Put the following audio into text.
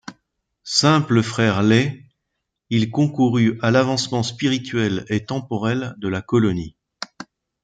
Simple frère lai, il concourut à l'avancement spirituel et temporel de la colonie.